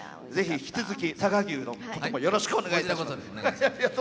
引き続き佐賀牛よろしくお願いします。